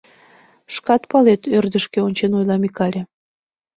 — Шкат палет, — ӧрдыжкӧ ончен ойла Микале.